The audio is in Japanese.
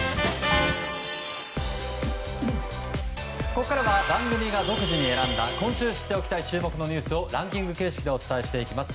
ここからは番組が独自に選んだ今週知っておきたい気になるニュースをランキング形式でお伝えしていきます。